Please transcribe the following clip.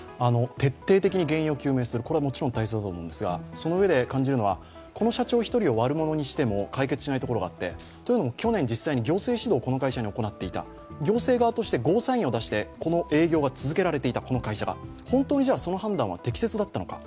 徹底的に原因を究明するこれはもちろん大切だと思うんですがそのうえで、感じるのはこの社長一人を悪者にしても解決しないところがあって、というのも去年実際に行政指導をこの会社に行っていた、行政側としてゴーサインを出してこの営業が続けられていた、この会社が本当にその判断は適切だったのか。